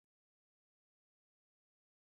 هسې ژوندي انسانان دي